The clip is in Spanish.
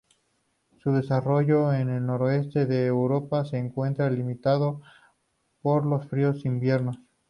Su desarrollo en el noreste de Europa se encuentra limitado por los fríos inviernos.